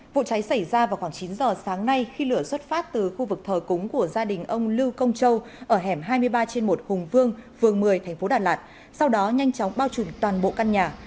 vụ cháy xảy ra vào khoảng chín giờ sáng nay khi lửa xuất phát từ khu vực thờ cúng của gia đình ông lưu công châu ở hẻm hai mươi ba trên một hùng vương phường một mươi tp đà lạt sau đó nhanh chóng bao trùm toàn bộ căn nhà